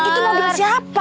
itu mobil siapa